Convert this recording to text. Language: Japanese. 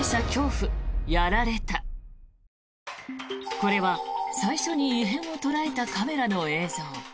これは最初に異変を捉えたカメラの映像。